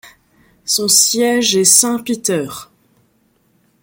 Son siège est Saint Peter.